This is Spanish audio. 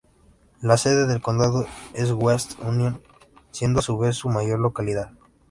La sede del condado es West Union, siendo a su vez su mayor localidad.